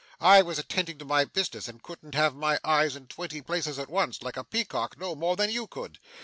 I was attending to my business, and couldn't have my eyes in twenty places at once, like a peacock, no more than you could.